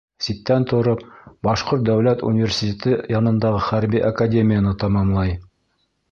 Ситтән тороп Башҡорт дәүләт университеты янындағы хәрби академияны тамамлай.